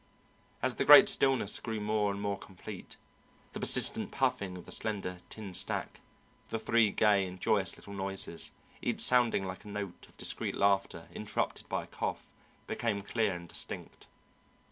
As the great stillness grew more and more complete, the persistent puffing of the slender tin stack, the three gay and joyous little noises, each sounding like a note of discreet laughter interrupted by a cough, became clear and distinct.